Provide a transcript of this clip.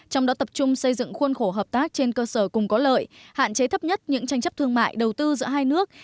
trong đó tập trung xây dựng khuôn khổ hợp tác trên cơ sở cùng có lợi hạn chế thấp nhất những tranh chấp thương mại đầu tư giữa hai nước